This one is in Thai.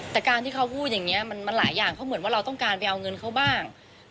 แต่การที่เขาพูดอย่างนี้มันหลายอย่างเขาเหมือนว่าเราต้องการไปเอาเงินเขาบ้าง